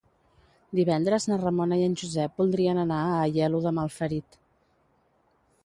Divendres na Ramona i en Josep voldrien anar a Aielo de Malferit.